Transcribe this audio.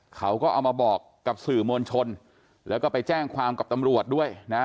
เขาก็เอามาบอกกับสื่อมวลชนแล้วก็ไปแจ้งความกับตำรวจด้วยนะ